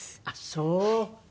あっそう。